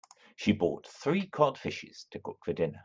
She bought three cod fishes to cook for dinner.